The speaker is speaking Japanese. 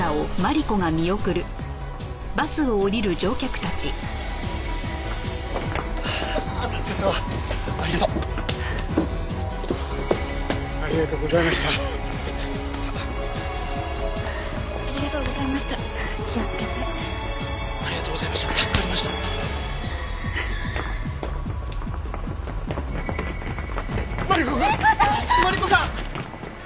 マリコさん！